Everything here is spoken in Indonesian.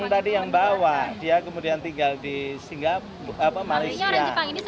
tapi gimana sih jepang tinggal di malaysia